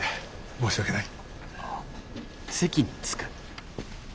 申し訳ない。